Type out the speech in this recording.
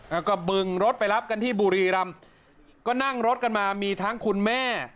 แล้วก็บึงรถไปรับกันที่บุรีรำก็นั่งรถกันมามีทั้งคุณแม่